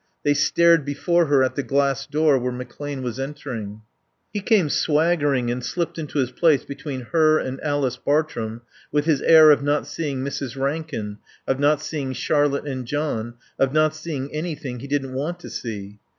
They stared before her at the glass door where McClane was entering. He came swaggering and slipped into his place between her and Alice Bartrum with his air of not seeing Mrs. Rankin, of not seeing Charlotte and John, of not seeing anything he didn't want to see.